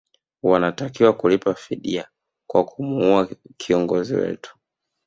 wanatakiwa kulipa fidia kwa kumua kiongozi wetu